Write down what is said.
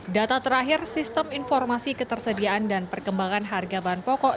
data terakhir sistem informasi ketersediaan dan perkembangan harga bahan pokok